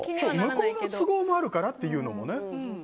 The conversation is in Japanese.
向こうの都合もあるからっていうのもね。